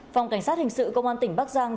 phòng cảnh sát hình sự công an tỉnh bắc giang